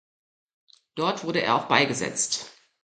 Dort wurde er auch beigesetzt.